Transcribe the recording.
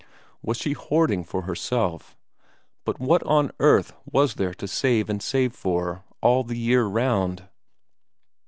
Was she hoarding for herself? But what on earth was there to save and save for, all the year round?